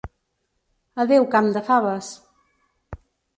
Adeu, camp de faves!